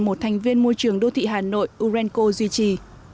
một thành viên môi trường đô thị hà nội urenco duy trì